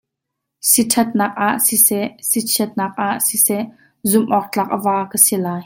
Siṭhat nak ah siseh, sichiatnak ah siseh, zumh awk tlak a va ka si lai.